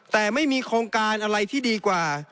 แต่ไม่มีโครงการอะไรที่ดีกว่า